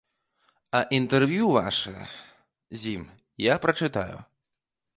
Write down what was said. А інтэрв'ю вашае з ім я прачытаю.